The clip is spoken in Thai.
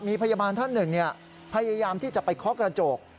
มีพยาบาลท่านหนึ่งพยายามที่จะไปเคาะกระจก